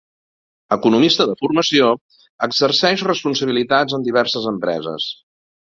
Economista de formació, exerceix responsabilitats en diverses empreses.